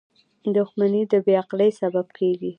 • دښمني د بې عقلی سبب کېږي.